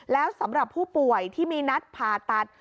แล้วสำหรับผู้ป่วยที่มีนัดผ่าตัด